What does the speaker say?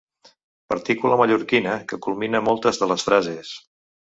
Partícula mallorquina que culmina moltes de les frases.